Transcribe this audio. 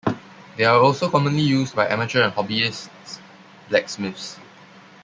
They are also commonly used by amateur and hobbyist blacksmiths.